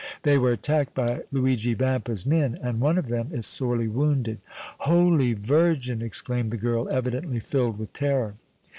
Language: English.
They were attacked by Luigi Vampa's men, and one of them is sorely wounded." "Holy Virgin!" exclaimed the girl, evidently filled with terror.